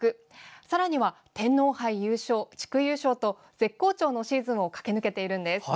さらには天皇杯優勝、地区優勝と絶好調のシーズンを駆け抜けているんです。